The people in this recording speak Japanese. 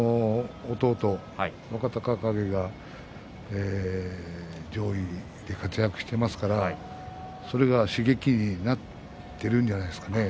弟、若隆景が上位で活躍していますからそれが刺激になっているんじゃないですかね。